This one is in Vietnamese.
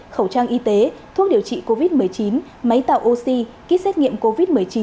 khẩu trang y tế thuốc điều trị covid một mươi chín máy tạo oxy kit xét nghiệm covid một mươi chín